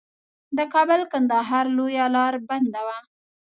د کابل کندهار لویه لار بنده وه.